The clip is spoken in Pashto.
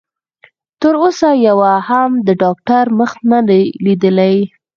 تر اوسه يوه هم د ډاکټر مخ نه دی ليدلی.